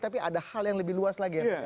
tapi ada hal yang lebih luas lagi